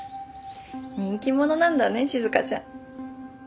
人気者なんだね静ちゃん。